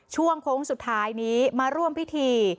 โค้งสุดท้ายนี้มาร่วมพิธี